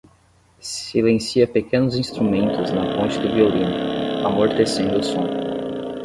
Silencia pequenos instrumentos na ponte do violino, amortecendo o som.